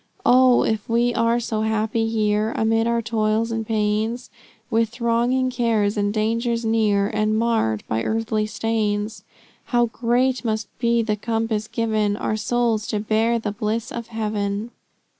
Oh if we are so happy here, Amid our toils and pains, With thronging cares and dangers near And marr'd by earthly stains, How great must be the compass given Our souls, to bear the bliss of heaven!"